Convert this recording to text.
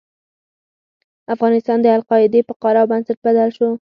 افغانستان د القاعدې په قاعده او بنسټ بدل شو.